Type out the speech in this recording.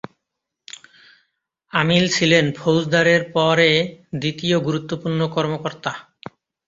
আমিল ছিলেন ফৌজদারের পরে দ্বিতীয় গুরুত্বপূর্ণ কর্মকর্তা।